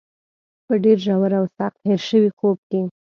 په ډېر ژور او سخت هېر شوي خوب کې.